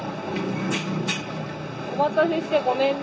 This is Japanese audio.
お待たせしてごめんね。